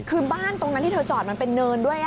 คือบ้านตรงนั้นที่เธอจอดมันเป็นเนินด้วย